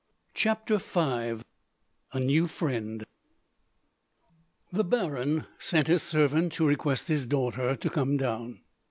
Chapter 5: A New Friend. The baron sent a servant to request his daughter to come down.